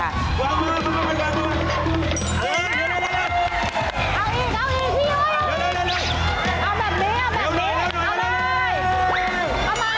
วางมือ